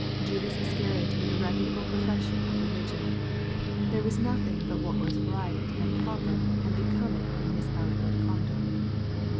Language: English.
Judas Iscariot made a reputable profession of religion. • There was nothing but what was right, and proper, and becoming in his outward conduct.